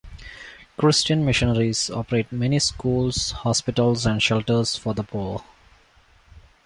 Christian missionaries operate many schools, hospitals and shelters for the poor.